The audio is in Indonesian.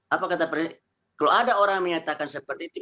apa kata presiden